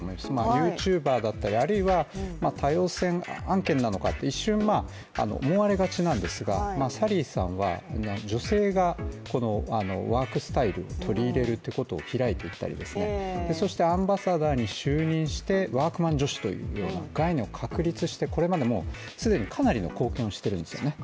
ＹｏｕＴｕｂｅｒだったり、あるいは多様性案件なのかって一瞬、思われがちなんですが、サリーさんは女性がワークスタイル、取り入れるってことをひらいていったり、そしてアンバサダーに就任してワークマン女子というような概念を確立して、これまでもう既にかなりの貢献をしているんですよね。